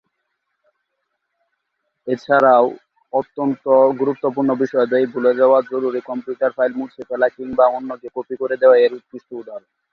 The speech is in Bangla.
এছাড়াও, অত্যন্ত গুরুত্বপূর্ণ বিষয়াদি ভুলে যাওয়া, জরুরী কম্পিউটার ফাইল মুছে ফেলা কিংবা অন্যকে কপি করে দেয়া এর উৎকৃষ্ট উদাহরণ।